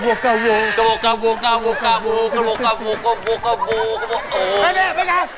ไม่ไปนะครับ